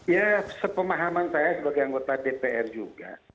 ya sepemahaman saya sebagai anggota dpr juga